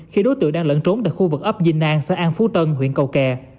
khi đối tượng đang lẫn trốn tại khu vực ấp dinh an xã an phú tân huyện cầu kè